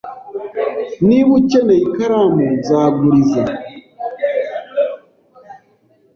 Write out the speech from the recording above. Niba ukeneye ikaramu, nzaguriza.